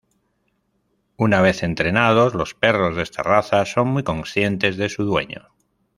Una vez entrenados, los perros de esta raza son muy conscientes de su dueño.